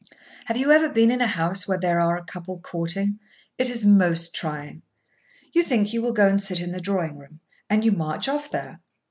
Have you ever been in a house where there are a couple courting? It is most trying. You think you will go and sit in the drawing room, and you march off there.